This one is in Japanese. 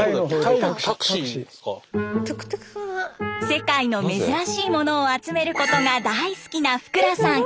世界の珍しいものを集めることが大好きな福羅さん。